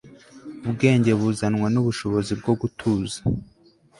ubwenge buzanwa n'ubushobozi bwo gutuza